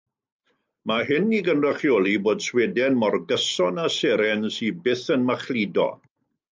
Mae hyn i gynrychioli bod Sweden mor gyson â seren sydd byth yn machludo.